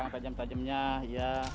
yang tajem tajemnya iya